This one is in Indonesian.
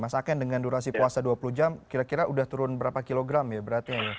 mas aken dengan durasi puasa dua puluh jam kira kira udah turun berapa kilogram ya berarti